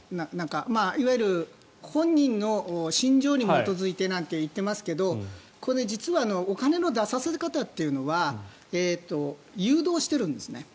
いわゆる本人の信条に基づいてなんて言っていますけど実はお金の出させ方というのは誘導してるんですね。